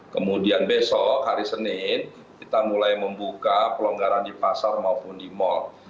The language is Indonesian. kemudian besok hari senin kita mulai membuka pelonggaran di pasar maupun di mal